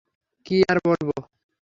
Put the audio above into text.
কি আর বলব?